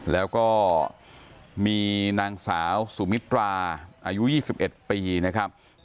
แล้วก็มีนางสาวสุมิตราอายุ๒๑ปีนะครับ